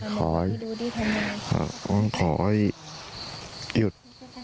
ขอให้หยุด